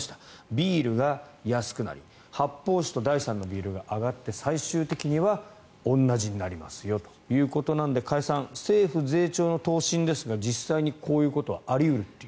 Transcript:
ビールが安くなり発泡酒と第３のビールが上がって最終的には同じになりますよということなので加谷さん、政府税調の答申ですが実際にこういうことはあり得ると。